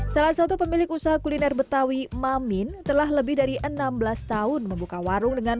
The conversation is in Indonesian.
salah satu pemilik usaha kuliner betawi mamin telah lebih dari enam belas tahun membuka warung dengan